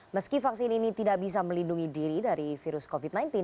meski vaksin ini tidak bisa melindungi diri dari virus covid sembilan belas